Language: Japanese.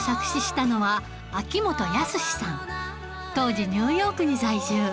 当時ニューヨークに在住